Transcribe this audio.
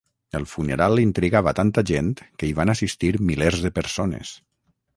El funeral intrigava tanta gent que hi van assistir milers de persones.